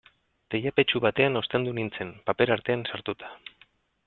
Teilapetxu batean ostendu nintzen, paper artean sartuta.